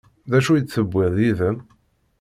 D acu i d-tewwiḍ yid-m?